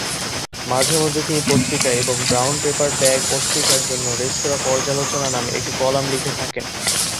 মাঝে মধ্যে তিনি পত্রিকা এবং "ব্রাউন পেপার ব্যাগ" পত্রিকার জন্য রেস্তোঁরা পর্যালোচনা নামে একটি কলাম লিখে থাকেন।